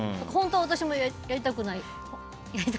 本当は私もやりたくない。